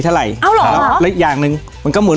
ติดตามคือมีอย่างอื่นมันหมู่